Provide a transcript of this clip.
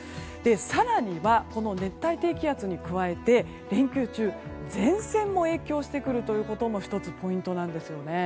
更には、この熱帯低気圧に加えて連休中、前線も影響してくるのも１つポイントなんです。